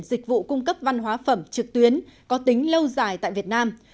dịch vụ cung cấp văn hóa phẩm trực tuyến có tính lâu dài tại việt nam